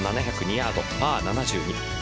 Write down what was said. ヤードパー７２。